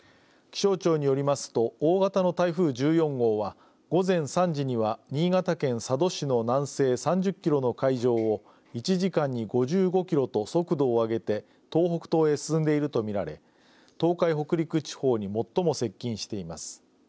気象庁によりますと大型の台風１４号は午前３時には新潟県佐渡市の南西３０キロの海上を１時間に５５キロと速度を上げて東北東へ進んでいるとみられ東海北陸地方に最も接近しています。